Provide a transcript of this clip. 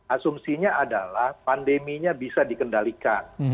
asumsinya adalah pandeminya bisa dikendalikan